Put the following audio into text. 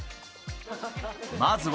まずは。